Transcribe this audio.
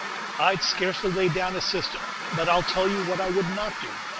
"I 'd scarcely lay down a system; but I 'll tell you what I would not do.